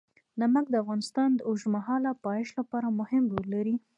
نمک د افغانستان د اوږدمهاله پایښت لپاره مهم رول لري.